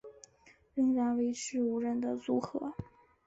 仍然维持五人的组合。